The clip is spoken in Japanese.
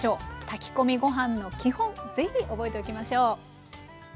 炊き込みご飯の基本ぜひ覚えておきましょう。